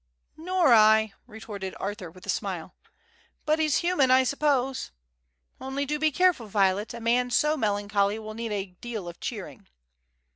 "Nor I, " retorted Arthur with a smile. "But he's human, I suppose. Only do be careful, Violet. A man so melancholy will need a deal of cheering."